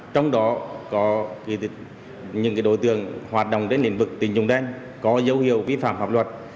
trong đó có những đối tượng hoạt động đến nền vực tình dùng đen có dấu hiệu vi phạm pháp luật